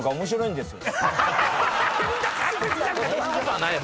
そんなことはないよ。